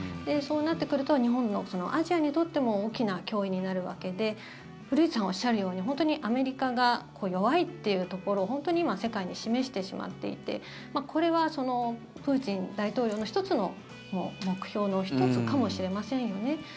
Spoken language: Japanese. そうなってくると、日本のアジアにとっても大きな脅威になるわけで古市さんがおっしゃるようにアメリカが弱いっていうところを本当に世界に示してしまっていてこれは、プーチン大統領の目標の１つかもしれませんよね。